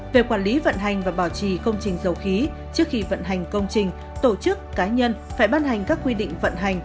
về quản lý vận hành và bảo trì công trình dầu khí trước khi vận hành công trình tổ chức cá nhân phải bán hành các quy định vận hành